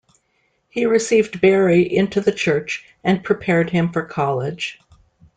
He received Berry into the church, and prepared him for college.